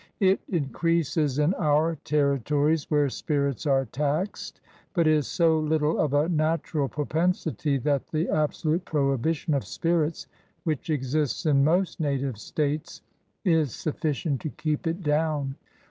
It increases in our territories where spirits are. taxed; but is so little of a natural propensity that the absolute prohibition of spirits, which exists in most native states, is sufficient to keep it down.